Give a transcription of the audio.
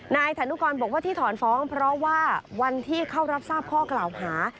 ฐานุกรบอกว่าที่ถอนฟ้องเพราะว่าวันที่เข้ารับทราบข้อกล่าวหา